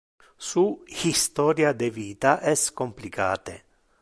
Su historia de vita es complicate.